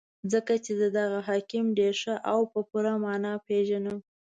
ځکه چې زه دغه حاکم ډېر ښه او په پوره مانا پېژنم.